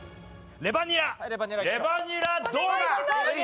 レバニラどうだ？